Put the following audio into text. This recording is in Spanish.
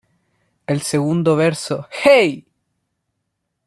En el segundo verso, "Hey!